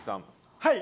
はい。